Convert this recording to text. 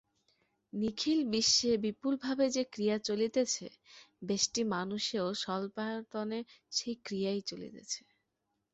নিখিল বিশ্বে বিপুলভাবে যে ক্রিয়া চলিতেছে, ব্যষ্টি-মানুষেও স্বল্পায়তনে সেই ক্রিয়াই চলিতেছে।